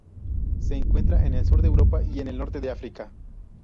Se encuentra en el sur de Europa y en el norte de África.